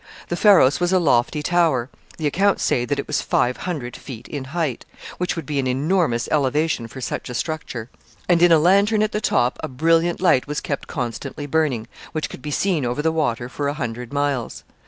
The Pharos was a lofty tower the accounts say that it was five hundred feet in height, which would be an enormous elevation for such a structure and in a lantern at the top a brilliant light was kept constantly burning, which could be seen over the water for a hundred miles.